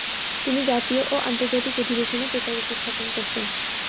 তিনি জাতীয় ও আন্তর্জাতিক অধিবেশনে পেপার উপস্থাপন করতেন।